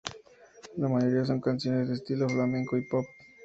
La mayoría son canciones de estilo flamenco y pop.